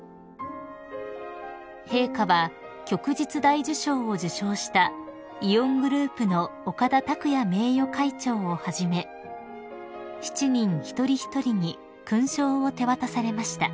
［陛下は旭日大綬章を受章したイオングループの岡田卓也名誉会長をはじめ７人一人一人に勲章を手渡されました］